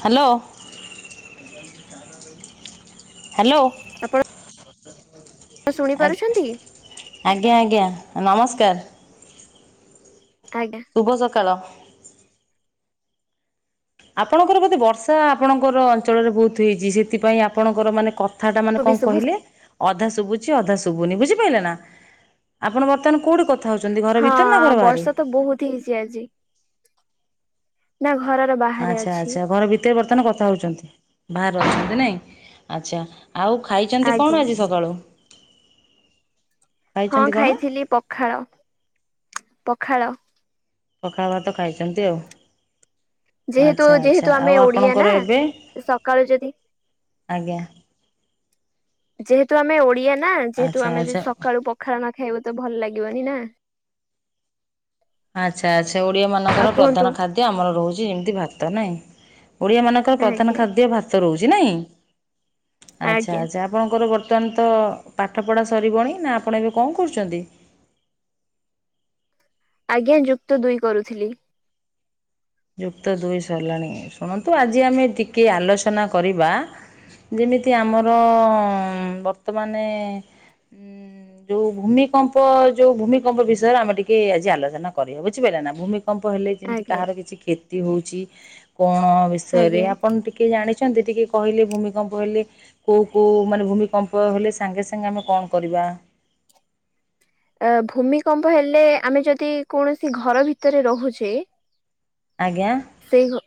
Hello. Hello ଆ ଆପଣ ଶୁଣି ପାରୁଛନ୍ତି? ଆଜ୍ଞା ଆଜ୍ଞା। ନମସ୍କାର। ଆଜ୍ଞା ଶୁଭ ସକାଳ। ଆପଣଙ୍କର ବୋଧେ ବର୍ଷା ଆପଣଙ୍କର ଅଞ୍ଚଳରେ ବହୁତ ହେଇଚି ସେତିପାଇଁ ଆପଣଙ୍କର ମାନେ କ ଥାଟା ମାନେ ଶୁଭ କଣ ଶୁଭ କହିଲେ? ଅଧା ଶୁବୁଚି ଅଧା ଶୁଭୁନି ବୁଝିପାଇଲେନା ଆପଣ ବର୍ତ୍ତମାନ କୋଉଟି କ ହଁ ବର୍ଷାତ ବହୁତୀ ହେଇଛି ଆଜି ନା ଘରର ବାହାରେ ଆଚ୍ଛା ଅଛି ଆଚ୍ଛା ଘର ଭିତରେ ବର୍ତ୍ତମାନ କଥା ହଉଚନ୍ତି ବାହାରେ ଅଛନ୍ତି ନାଇଁ ଆଚ୍ଛା। ଆଉ ଖାଇଚନ୍ତି ଆଜ୍ଞା କଣ ଆଜି ସକାଳୁ? ହଁ ଖାଇଛନ୍ତି କଣ ଖାଇଥିଲି ପଖାଳ ପଖାଳ। ପଖାଳ ଭାତ ଖାଇଚନ୍ତି ଆଉ। ଯେହେତୁ ଆଚ୍ଛା ଯେହେତୁ ଆଚ୍ଛା ଆମେ ଆଉ ଓଡିଆ ନା ଆପଣଙ୍କର ଏବେ ସକାଳୁ ଯଦି ଆଜ୍ଞା। ଯେହେତୁ ଆମେ ଓଡିଆ ନା ଯେହେତୁ ଆଚ୍ଛା ଆମେ ଯେ ଆଚ୍ଛା ସକାଳୁ ପଖାଳ ନ ଖାଇବୁ ତ ଭଲ ଲାଗିବନି ନା। ଆଚ୍ଛା ଆଚ୍ଛା ଓଡିଆ ଆଉ ମାନଙ୍କର କୁହନ୍ତୁ ପ୍ରଧାନ ଖାଦ୍ୟ ଆମର ରହୁଚି ଯେମିତି ଭାତ ନାଇଁ। ଓଡ଼ିଆ ମାନଙ୍କର ପ୍ରଧାନ ଆଜ୍ଞା ଖାଦ୍ୟ ଭାତ ରହୁଛି ନାଇଁ ଆଜ୍ଞା ଆଚ୍ଛା ଆଚ୍ଛା ଆପଣଙ୍କର ଗୋ ତାନ ତ ପାଠପଢ଼ା ସରିବଣି ନା ଆପଣ ଏବେ କଣ କରୁଚନ୍ତି? ଆଜ୍ଞା ଯୁକ୍ତ ଦୁଇ କରୁଥିଲି। ଯୁକ୍ତ ଦୁଇ ସରିଲାଣି ଶୁଣନ୍ତୁ ଆଜି ଆମେ ଟିକେ ଆଲୋଚନା କରିବା। ଯେମିତି ଆମର ବର୍ତ୍ତମାନେ ଉଁ ଯୋଉ ଭୂମିକମ୍ପ ଯୋଉ ଭୂମିକମ୍ପ ବିଷୟରେ ଆମେ ଟିକେ ଆଜି ଆଲୋଚନା କରିବା ବୁଝିପାଇଲେନା ଭୂମି କମ୍ପ ହେଲେ ଯେମିତି ଆଜ୍ଞା କାହାର କିଛି ହଉଚି କଣ ବିଷୟରେ ଆଜ୍ଞା। ଆପଣ ଟିକିଏ ଜାଣି ଚନ୍ତି ଟିକେ କଇଲେ ଭୂମିକମ୍ପ ହେଲେ କୋଉ କୋଉ ମାନେ ଭୂମକମ୍ପ ହେଲେ ସାଙ୍ଗେ ସାଙ୍ଗେ ଆମେ କଣ କରିବା? ବା। ଅ ଭୂମିକମ୍ପହେଲେ ଆମେ ଯଦି କୌଣସି ଘରଭିତରେ ରହୁଛେ। ଆଜ୍ଞା ସେଇ ଘ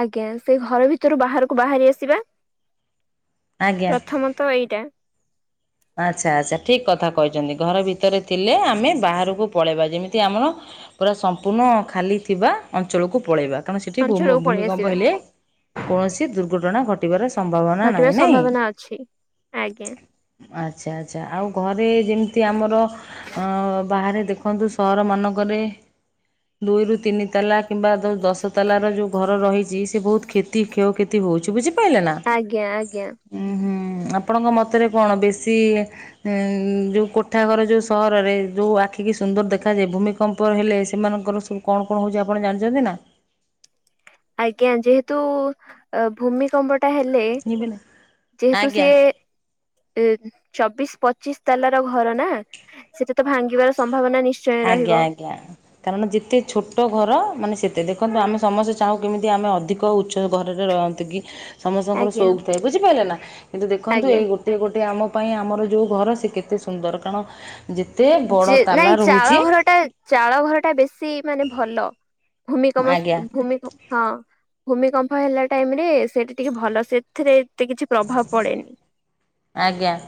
ଆଜ୍ଞା ସେଇ ଘର ଭିତରୁ ବାହାରକୁ ବାହାରି ଆସିବା। ଆଜ୍ଞା ପ୍ରଥମତଃ ଏଇଟା। ଆଚ୍ଛା ଆଚ୍ଛା ଠିକକଥା କଇଚନ୍ତି ଘରଭିତରେ ଥିଲେ ଆମେ ବାହାରକୁ ପଳେଇବା ଯେମିତି ଆମର ପୁରା ସମ୍ପୂର୍ଣ୍ଣ ଖାଲିଥିବା ଅଞ୍ଚଳକୁ ପଳେଇବା। କାରଣ ସେଠି ଭୂମୁ ଅଞ୍ଚଳକୁ ପଳେଇ ଭୂମିକମ୍ପ ଆସିବା ହେଲେ କୌଣସି ଦୁର୍ଘଟଣା ଘଟିବାର ସମ୍ଭାବନା ଘଟିବା ନାହିଁ ନାଇଁ। ସମ୍ଭାବନା ଅଛି ଆଜ୍ଞା ଆଚ୍ଛା ଆଚ୍ଛା ଆଉ ଘରେ ଯେମିତିଆମର ଅ ବାହାରେ ଦେଖନ୍ତୁ ସହର ମାନଙ୍କ ରେ। ଦୁଇରୁୁ ତିନିତାଲା କିମ୍ବା ଦଉ ଦଶତାଲ ର ଯୋଉ ଘରରହିଚି ସିଏ ବହୁତ କ୍ଷତି କ୍ଷୟ କ୍ଷତି ହଉଛି ବୁଝିପାଇଲେନା ଆଜ୍ଞା ଆଜ୍ଞା ଆପଣଙ୍କ ମତରେ କଣ ବେଶୀ ଯୋଉ କୋଠାଘର ଯୋଉ ସହରରେ ଯୋଉ ଆଖି କିି ସୁନ୍ଦର ଦେଖାଯିବ। ଭୂମିକମ୍ପ ହେଲେ ସେମାନଙ୍କର ସବୁ କଣ କଣ ହଉଛି ଆପଣ ଜାଣିଛନ୍ତିନା? ଆଜ୍ଞା ଯେହେତୁ ଅ ଭୂମିକମ୍ପ ପଲେ ଯେ ତୁ ଆଜ୍ଞା ଏ ଅ ଚବିଶ ପଚିଶ ତାଲା ର ଘର ନା ସେଟି ଆଜ୍ଞା ଆଜ୍ଞା କାରଣ ଯେତେ ଛୋଟ ଘର ମାନେ ସେତ ଦେଖନ୍ତୁ ଆମେ ସମସ୍ତେ ଚାହୁଁ କେମିତି ଆମେ ଅଧିକ ଉଚ୍ଚ ଘରରେ ରହନ୍ତିୁ କି ସମସ୍ତଙ୍କର ଆଜ୍ଞା ସଉକ ଥାଏ ବୁଝିପାରିଲେ ନା କିନ୍ତୁ ଦେଖନ୍ତୁ ଆଜ୍ଞା ଏଇ ଗୋଟେ ଗୋଟଏ ଆମ ପାଇଁ ଆମର ଯେଉଁ ଘର ସେ କେତେ ସୁନ୍ଦର କାରଣ ଯେତେ ବଡ଼ ଯେ ତାଲା ନାଇଁ ଚାଳ ରହୁଛି ଘର ଟା ଚାଳ ଘର ଟା ବେଶୀ ମାନେ ଭଲ ଭୂମିକମ ଆଜ୍ଞା ଭୂମିକ ହଁ ଭୂମିକମ୍ପ ହେଲା ଟାଇମ ରେ ସେଠି ଟିକେ ଭଲ ସେଥିରେ କିଛି ପ୍ରଭାବ ପଡ଼େନି ଆଜ୍ଞା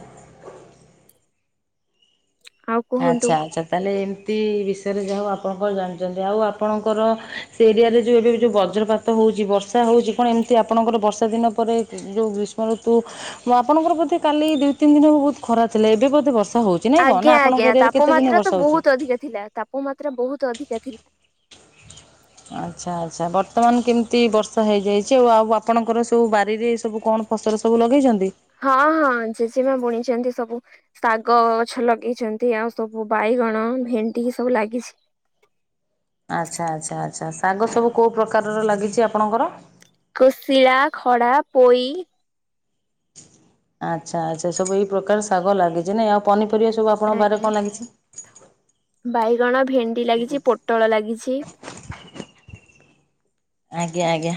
କୁହନ୍ତୁ। ଆଛା ଆଛା ତାହେଲେ ଏମିତି ବିଷୟରେ ଯା ଆପଣ କଣ ଜାଣିଛନ୍ତି ଆଉ ଆପଣଙ୍କର ସେ ଏରିଆରେ ଯୋଉଁ ଏବେ ଯୋଉଁ ବଜ୍ରପାତ ହଉଛି ବର୍ଷା ହଉଛି କଣ ଏମ ଆପଣଙ୍କର ବର୍ଷା ଦିନ ପରେ ଯୋଉ ଗ୍ରୀଷ୍ମ ଋତୁ ଆପଣଙ୍କର ପ୍ରତି କାଲି ଦିଇ ତିନି ଦିନ ବହୁତ ଖରା ଥିଲେ ଏବେ ବୋଧେ ବର୍ଷା ହେଉଛି ନାଇଁ କଣ ଆଜ୍ଞା ନା ଆପଣଙ୍କ ଆଜ୍ଞା ଏରିଆରେ କେତେ ଦିନ ତାପମାତ୍ରା ତ ବର୍ଷା ହେଉଛି? ବହୁତ ଅଧିକା ଥିଲା ତାପମାତ୍ରା ବହୁତ ଅଧିକା ଥିଲା। ଆଛା ଆଛା ବର୍ତ୍ତମାନ କେମିତି ବର୍ଷା ହେଇଯାଇଛି ଆଉ ଆଉ ଆପଣଙ୍କର ସବୁ ବାରିରେ ସବୁ କଣ ଫସଲ ସବୁ ଲଗେଇଛନ୍ତି? ହଁ ହଁ ଜେଜେମା ବୁଣିଛନ୍ତି ସବୁ ଶାଗ ଗଛ ଲଗେଇଛନ୍ତି ଆଉ ସବୁ ବାଇ ଗଣ ଭେଣ୍ଡି ସବୁ ଲାଗିଛି। ଆଛା ଆଛା ଆଛା ଶାଗ ସବୁ କୋଉ ପ୍ରକାରର ଲାଗିଛି ଆପଣଙ୍କର? କୋଶିଳା ଖଡ଼ା ପୋଇ ଆଛା ଆଛା ସବୁ ଏଇ ପ୍ରକାର ଶାଗ ଲାଗିଛି ନାଇଁ ଆଉ ପନିପରିବା ସବୁ ଆପଣଙ୍କ ବାରିରେ ଆଜ୍ଞା। କଣ ଲାଗିଛି? ବାଇଗଣ ଭେଣ୍ଡି ଲାଗିଛି ପୋଟଳ ଲାଗିଛି। ଆଜ୍ଞା ଆଜ୍ଞା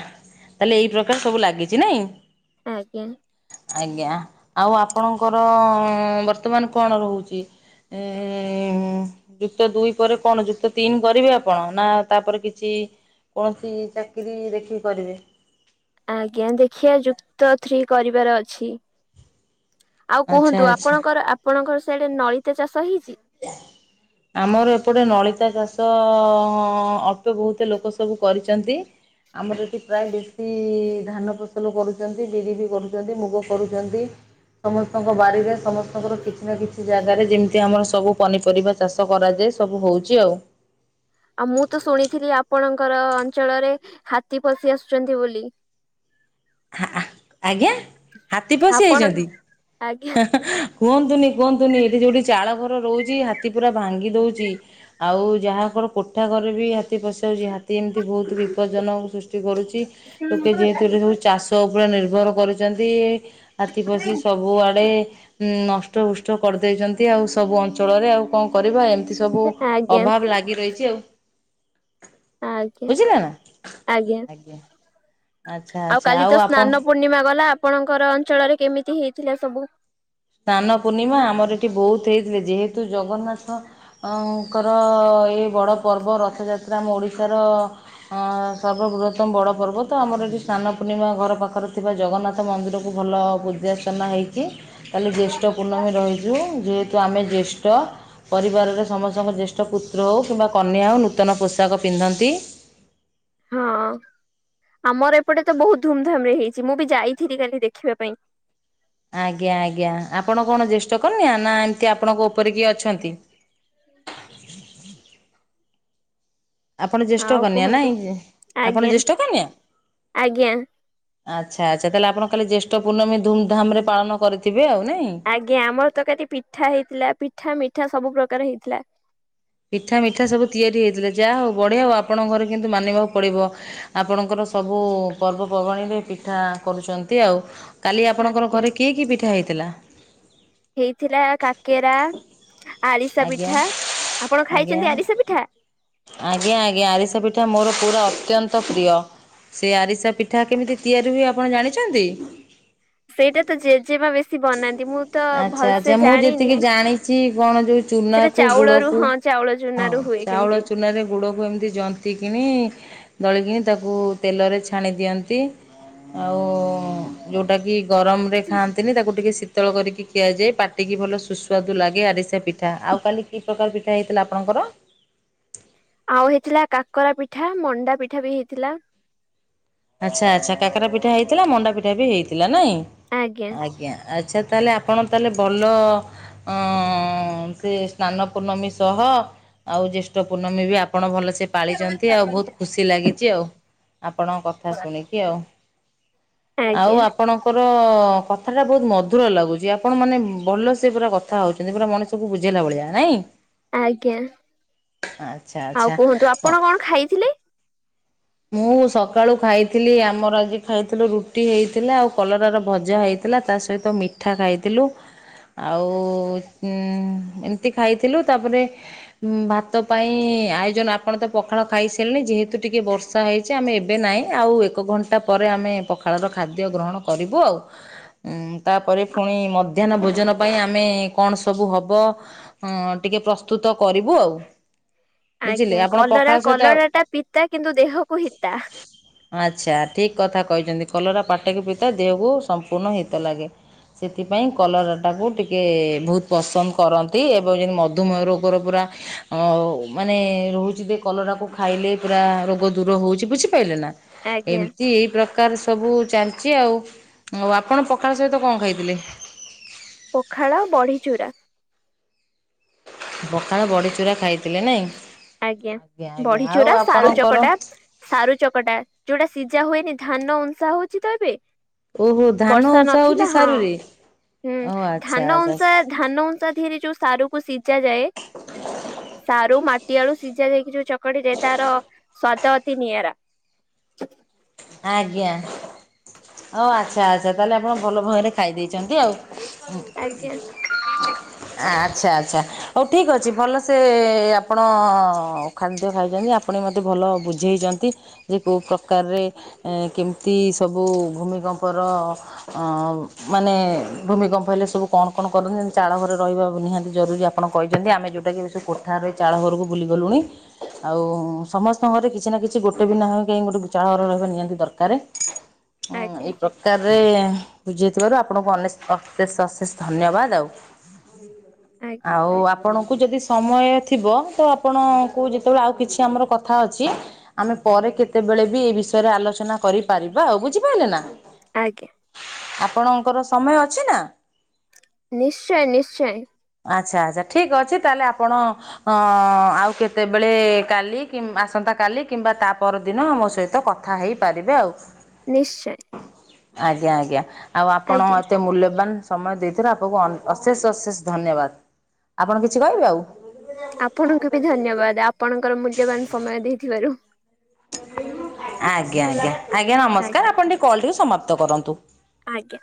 ତାହେଲେ ଏଇ ପ୍ରକାର ସବୁ ଲାଗିଛି ନାଇଁ? ଆଜ୍ଞା ଆଜ୍ଞା ଆଉ ଆପଣଙ୍କର ବର୍ତ୍ତମାନ କଣ ରହୁଛି? ଏ ଯୁକ୍ତ ଦୁଇ ପରେ କଣ ଯୁକ୍ତ ତିନି କରିବେ ଆପଣ ନା ତାପରେ କିଛି କୌଣସି ଚାକିରି ଦେଖିକି କରିବେ। ଆଜ୍ଞା ଦେଖିବା ଯୁକ୍ତ ଥ୍ରୀ କରିବାର ଅଛି। ଆଉ ଆଚ୍ଛା କୁହନ୍ତୁ ଆଚ୍ଛା। ଆପଣଙ୍କର ଆପଣଙ୍କର ସେଇଡେ ନଳତା ଚାଷ ହେଇଛି? ଆମର ଏପଟେ ନଳ ଲଳିତା ଚାଷ ଅଳ୍ପ ବହୁତେ ଲୋକ ସବୁ କରିଛନ୍ତି। ଆମର ଏଠି ପ୍ରାୟ ବେଶୀ ଧାନ ଫସଲ କରୁଛନ୍ତି ବିରି ବିି କରୁଛନ୍ତି ମୁଗ କରୁଛନ୍ତି। ସମସ୍ତଙ୍କ ବାରି ରେ ସମସ୍ତଙ୍କର କିଛି ନା କିଛି ଜାଗାରେ ଯେମିତି ଆମର ସବୁ ପନିପରିବା ଚାଷ କରାଯାଏ ସବୁ ହେଉଛି ଆଉ। ଆଉ ମୁଁ ତ ଶୁଣିଥିଲି ଆପଣଙ୍କର ଅଞ୍ଚଳରେ ହାତୀ ଫାତି ଆସୁଛନ୍ତି ବୋଲି। ଆଜ୍ଞା ହାତୀ ଆପଣ ପଶିଯାଇଛନ୍ତି। ଆଜ୍ଞା କୁହନ୍ତୁନି କୁହନ୍ତୁନି ଏଠି ଯଉଠି ଚାଳ ଘର ରହୁଛି ହାତୀ ପୁରା ଭାଙ୍ଗି ଦଉଛି ଆଉ ଯାହା ତାଙ୍କର କୋଠା ଘରେ ବି ହ ପଶି ଯାଉଛି ହାତୀ ଏମିତି ବହୁତ ବିପଜଜନ ସୃଷ୍ଟି କରୁଛି ଲୋକେ ଯେହେତୁ ଚାଷ ଉପରେ ନିର୍ଭର କରୁଛନ୍ତି ହାତୀ ପଶି ସବୁଆଡ଼େ ନଷ୍ଟ ଷ୍ଟ କରିଦେଉଛନ୍ତି ଆଉ ସବୁ ଅଞ୍ଚଳରେ ଆଉ କଣ କରିବା ଏମିତି ସବୁ ଆଜ୍ଞା ଅଭାବ ଲାଗି ରହିଛି ଆଉ। ଆଜ୍ଞା ବୁଝିଲ ଆଜ୍ଞା ଆଛା ଆଉ ଆଛା କାଲି ତ ସ୍ନାନ ପୂର୍ଣ୍ଣିମା ଗଲା ଆପଣଙ୍କର ଅଞ୍ଚଳରେ କେମିତି ହେଇଥିଲା ସବୁ? ସ୍ନାନ ପୂର୍ଣ୍ଣିମା ଆମର ଏଠି ବହୁତ ହେଇଥିଲେ ଯେହେତୁ ଜଗନ୍ନାଥଙ୍କର ବଡ଼ ପର୍ବ ରଥଯାତ୍ରା ଆମ ଓଡିଶାର ସର୍ବ ବୃହତମ ବଡ଼ ପର୍ବ ତ ଆମ ଏଠି ସ୍ନାନ ପୂର୍ଣ୍ଣିମା ଘର ପାଖରେ ଥିବା ଜଗନ୍ନାଥ ମନ୍ଦିରକୁ ଭଲ ପୂଜାର୍ଚ୍ଚନା ହେଇଛି। କାଲି ଜ୍ୟେଷ୍ଠ ପୂର୍ଣ୍ଣମୀ ରହିଛୁ ଯେହେତୁ ଆମେ ଜ୍ୟେଷ୍ଠ ପରିବାରରେ ସମସ୍ତଙ୍କ ଜ୍ୟେଷ୍ଠ ପୁତ୍ର ହେଉ କିମ୍ବା କନ୍ୟା ହେଉ ନୂତନ ପୋଷାକ ପିନ୍ଧନ୍ତି। ହଁ। ଆମର ଏପଟେ ତ ବହୁତ ଧୁମଧାମରେ ହେଇଛି। ମୁଁ ବି ଯାଇଥିଲି କାଲି ଦେଖିବା ପାଇଁ। ଆଜ୍ଞା ଆଜ୍ଞା ଆପଣ କଣ ଜୈଷ୍ଠ କନ୍ୟା ନା ଏମିତି ଆପଣଙ୍କ ଉପରେ କିଏ ଅଛନ୍ତି? ଆପଣ ଜ୍ୟେଷ୍ଠ ଆଉ କନ୍ୟା କୁହନ୍ତୁ ନାଇଁକି? ଆପଣ ଆଜ୍ଞା ଜ୍ୟେଷ୍ଠ କନ୍ୟା? ଆଜ୍ଞା ଆଚ୍ଛା ଆଛା, ତାହେଲେ ଆପଣ ଖାଲି ଜେଷ୍ଠ ପୂର୍ଣ୍ଣମୀ ଧୁମଧାମରେ ପାଳନ କରିଥିବେ। ଆଉ ନାଇଁ? ଆଜ୍ଞା ଆମର ତ କ ପିଠା ହେଇଥିଲା। ପିଠା ମିଠା ସବୁ ପ୍ରକାର ହେଇଥିଲା। ପିଠା ମିଠା ସବୁ ତିଆରି ହେଇଥିଲା। ଯାହା ହଉ ବଢିଆ ହଉ ଆପଣଙ୍କ ଘରେ କିନ୍ତୁ ମାନିବାକୁ ପଡିବ। ଆପଣଙ୍କର ସବୁ ପର୍ବପର୍ବାଣୀ ପାଇଁ ପିଠା କରୁଛନ୍ତି ଆଉ। କାଲି ଆପଣଙ୍କର ଆଜ୍ଞା, ଘରେ କିଏ କି ପିଠା ହେଇଥିଲା? ହେଇଥିଲା କାକେରା। ଆରିସା ଆଜ୍ଞା ପିଠା, ଆପଣ ଆଜ୍ଞା ଖାଇଛନ୍ତି ଆରିସା ପିଠା? ଆଜ୍ଞା ଆଜ୍ଞା ଆରିସା ପିଠା ମୋର ପୁରା ଅତ୍ୟନ୍ତ ପ୍ରିୟ ସେ ଆରିସା ପିଠା କେମିତି ତିଆରି ହୁଏ ଆପଣ ଜାଣିଛନ୍ତି? ସେଇଟା ତ ଜେଜେମା ବେଶୀ ବନାନ୍ତି ମୁଁ ତ ଆଚ୍ଛା ଭଲସେ ଆଚ୍ଛା ମୁଁ ଜାଣିନି। ଯେତିକି ଜାଣିଛି କଣ ଯୋଉ ସେଟା ଚୁନାକୁ ଚାଉଳରୁ ଗୁଡକୁ ହଁ ଚାଉଳ ହଁ, ଚୁନାରୁ ହୁଏ ଚାଉଳ କେମିତି ଚୁନାରେ ଗୁଡକୁ ଏମିତି ଜନ୍ତି କିଣି ଦଳିକିନି ତାକୁ ତେଲରେ ଛାଣି ଦିଅନ୍ତି ଆଉ ଯେଉଁଟାକି ଗରମରେ ଖାନ୍ତିିନି ତାକୁ ଆଉ ଟିକେ ଶୀତଳ କରିକି ଖିଆଯାଏ। ପାଟିକି ଭଲ ସୁସ୍ୱାଦୁ ଲାଗେ ଆରିସା ପିଠା ଆଉ କାଲି କି ପ୍ରକାର ପିଠା ହେଇଥିଲା? ଆପଣ ତାଙ୍କର ଆଉ ହେଇଥିଲା କାକରା ପିଠା ମଣ୍ଡା ପିଠା ବି ହେଇଥିଲା। ଆଚ୍ଛା ଆଚ୍ଛା କାକରା ପିଠା ହେଇଥିଲା ମଣ୍ଡା ପିଠା ବି ହେଇଥିଲା ନାଇଁ। ଆଜ୍ଞା। ଆଚ୍ଛା ତାହେଲେ ଆପଣ ତାହେଲେ ଭଲ ଅଁ ସେ ସ୍ନାନ ପୂର୍ଣମୀ ସହ ଆଉ ଜ୍ୟେଷ୍ଠ ପୂର୍ଣ୍ଣମୀ ବି ଆପଣ ଭଲ ଯେ ପାଳିଛନ୍ତି ଆଉ ବହୁତ ଖୁସି ଲାଗିଛି ଆଉ। ଆପଣ କଥା ଶୁଣିକି ଆଉ। ଆଜ୍ଞା। ଆଉ ଆପଣଙ୍କର କଥାଟା ବହୁତ ମଧୁର ଲାଗୁଛି। ଆପଣ ମାନେ ଭଲ ସେ ପୁରା କଥା ହଉଛନ୍ତି, ପୁରା ମଣିଷକୁୁ ବୁଝ ଭଳିଆା ନାଇଁ? ଆଜ୍ଞା, ଆଚ୍ଛା ଆଉ ଆଚ୍ଛା କୁହନ୍ତୁ ହଉ। ଆପଣ କଣ ଖାଇଥିଲେ? ମୁଁ ସକାଳୁ ଖାଇଥିଲି। ଆମର ଆଜି ଖାଇଥିଲୁ ରୁଟି ହେଇଥିଲା ଆଉ କଲରାର ଭଜା ହେଇଥିଲା। ଥିଲା ତା ସହିତ ମିଠା ଖାଇଥିଲୁ। ଆଉ ଉ ଏମିତି ଖାଇଥିଲୁ। ତାପରେ ଭାତ ପାଇଁ ଆୟୋଜନ ଆପଣ ତ ପଖାଳ ଖାଇସାରିଲେ ଯେହେତୁ ଟିକେ ବର୍ଷ ବର୍ଷା ହେଇଛି ଆମେ ଏବେ ନାହିଁ ଆଉ ଏକ ଘଣ୍ଟା ପରେ ଆମେ ପଖାଳର ଖାଦ୍ୟ ଗ୍ରହଣ କରିବୁ ଆଉ। ଉଁ ତାପରେ ପୁଣି ମଧ୍ୟାହ୍ନ ଭୋଜନ ପାଇଁ ଆମେ କଣ ସବୁ ହବ ଟେ ଟିକେ ପ୍ରସ୍ତୁତ କରିବୁ ଆଉ। ବୁଝିଲେ ଆଜ୍ଞା ଆପଣ କଲରା ପଖାଳ ସହିତ କଲରାଟା ପିତା କିନ୍ତୁ ଦେହକୁ ହିତା। ଆଚ୍ଛା ଠିକ୍ କଥା କହିଛନ୍ତି କଲରା ପାଟକି ପିିତା ଦେହକୁ ସମ୍ପୂର୍ଣ୍ଣ ହିତ ଲାଗେ। ସେଥିପାଇଁ କଲରାଟାକୁ ଟିକେ ବହୁତ ପସନ୍ଦ କରନ୍ତି ଏବଂ ଯେ ମଧୁମେହ ରୋଗର ପୁରା ମାନେ ରହୁଛି ଯେ କଲରାକୁ ଖାଇଲେ ପୁରା ରୋ ଦୂର ହଉଛି ବୁଝିପାରିଲେ ନା ଆଜ୍ଞା। ଏମିତି ଏଇ ପ୍ର କାର ସବୁ ଚାଲିଛି ଆଉ ଆଉ ଆପଣ ପଖାଳ ସହିତ କଣ ଖାଇଥିଲେ? ପଖାଳ ବଢି ଚୁରା। ବଖାଳ ବଡି ଚୁରା ଖାଇଥିଲେ ନାଇଁ? ଆଜ୍ଞା ଆଜ୍ଞା ଆଉ ବଢିଚୁରା ଆପଣଙ୍କର ସାରୁଚକଟା, ସାରୁ ଚକଟା ଯୋଉଟା ସିଝା ହୁଏନି? ଧାନ ଉଂଷା ହଉଛି ତ ଏବେ ଓହୋ ଧାନ ବର୍ଷା ଉଷା ହେଉଛି ନଥିଲା। ହଁ ସାରୁରେ ହୁଁ ଓ ଆଚ୍ଛା ଧାନ ଆଚ୍ଛା ଊଂସା ଧାନ ଊଂସା ଧୀହରେ ଯୋଉ ସାରକୁ ସିଝା ଯାଏ। ସାରୁ ମାଟ୍ ଟି ଆଳୁ ସିଜା ଯାଇକି ଯୋଉ ଚକଟା ଯାଏ ତାର ଅ ସ୍ଵାଦ ଅତି ନିଆରା। ଆଜ୍ଞା ଓ ଆଚ୍ଛା ଆଚ୍ଛା ତାହେଲେ ଆପଣ ଭଲ ଭୟରେ ଖାଇ ଦେଇଚନ୍ତି ଆଉ। ହୁଁ। ଆଜ୍ଞା ଆଚ୍ଛା ଆଚ୍ଛା ହଉ ଠିକ୍ ଅଛି ଭଲ ସେ ଆପଣ ଖାଦ୍ୟ ଖାଇଚନ୍ତି। ଯେ ଆପଣ ବି ମୋତେ ଭଲ ବୁଝେଇଚନ୍ତି ଯେ କୋଉ ପ୍ରକାରରେ ଏଁ କେମତି ସବୁ ଭୂମିକମ୍ପର ଅଁ ମାନେ ଭୂମିକ କମ୍ଫହେଲେ ସବୁ କଣ କଣ କରନ୍ ଚାଳ ଘରେ ରହିବା ନିହାତି ଜରୁରୀ ଆପଣ କହିଚନ୍ତି ଆମେ ଯୋଉଟା କି ଏ ସବୁ କୋଠାରେ ରହି ଚାଳ ତା ଘରକୁ ବୁଲି ଗଲୁଣି ଆଉ ସମସ୍ତଙ୍କ ଘରେ କିଛି ନା କିଛି ଗୋଟେ ବି ନାହିଁ କାଇଁ ଗୋଟେ ଚାଳ ଘର ରହି ରହି ନିହାତି ଦରକାରେ ଉଁ ଆଜ୍ଞା ଏଇ ପ୍ରକାରରେ ବୁଝେଇଥିବାରୁ ଆପଣଙ୍କୁ ଅନେଶ ଅଶେଷ ଅଶେଷ ଧନ୍ୟବାଦ ଆଉ। ଆଜ୍ଞା ଆଉ ଆପଣଙ୍କୁ ଯଦି ସମୟ ଥିବ ତ ଆପଣଙ୍କୁ ଯେତେବେଳେ ଆଉ କିଛି ଆମର କଥା ଅଛି ଆମେ ପରେ କେତେ ବେଳେ ବି ଏଇ ବିଷୟରେ ଆଲୋଚନା କରିପାରିବା ଆଉ ବୁଝିପାରିଲେ ନା। ଆଜ୍ଞା ଆପଣଙ୍କର ସମୟ ଅଛି ନା? ନିଶ୍ଚୟ ନିଶ୍ଚୟ। ଆଚ୍ଛା ଆଚ୍ଛା ଠିକ୍ ଅଛି ତାହେଲେ ଆପଣ ଅଁ ଆଉ କେତେବେଳେ କାଲି କିମ୍ ଆସନ୍ତା କାଲି କିମ୍ବା ତା ପରଦିନ ଆମ ସହିତ କଥା ହେଇପାରିବେ ଆଉ। ନିଶ୍ଚୟ। ଆଜ୍ଞା ଆଜ୍ଞା ଆଉ ଆପଣ ଆଜ୍ଞା ଏତେ ମୂଲ୍ୟବାନ। ସମୟ ଦେଇଥିରେ ଆପଣଙ୍କୁ ଅନ୍ ଅଶେଷ ଅଶେଷ ଧନ୍ୟବାଦ। ଆପଣ କିଛି କହିବେ ଆଉ? ଆପଣଙ୍କୁ ବି ଧନ୍ୟବାଦ ଆପଣଙ୍କର ମୂଲ୍ୟବାନ ସମୟ ଦେଇଥିବାରୁ। ଆଜ୍ଞା ଆଜ୍ଞା ଆଜ୍ଞା ନମସ୍କାର ଆଜ୍ଞା ଆପଣ ଟିକେ କଲଟି କୁ ସମାପ୍ତ କରନ୍ତୁ। ଆଜ୍ଞା।